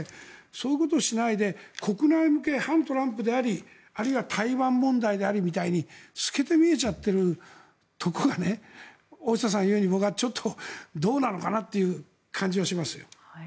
そういうことをしないで国内向け、反トランプでありあるいは台湾問題でありみたいに透けて見えちゃってるところが大下さんが言うように僕はちょっとどうなのかなという感じがしますよ。